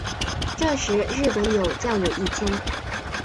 这时日本有教友一千。